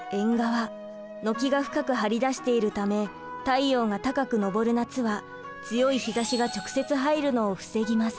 軒が深く張り出しているため太陽が高く昇る夏は強い日ざしが直接入るのを防ぎます。